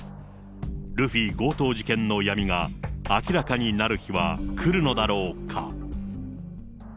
ルフィ強盗事件の闇が明らかになる日はくるのだろうか。